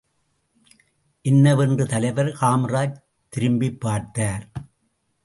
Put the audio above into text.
என்ன வென்று தலைவர் காமராஜ் திரும்பிப்பார்த்தார்.